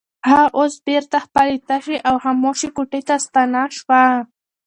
هغه اوس بېرته خپلې تشې او خاموشې کوټې ته ستنه شوه.